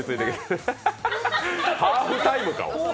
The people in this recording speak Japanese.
ハーフタイムか！